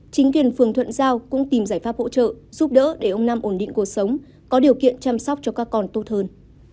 chính quyền phường thuận giao cũng tìm giải pháp hỗ trợ giúp đỡ để ông nam ổn định cuộc sống có điều kiện chăm sóc cho các con tốt hơn